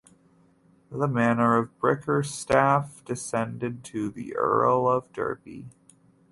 The manor of Bickerstaffe descended to the Earl of Derby.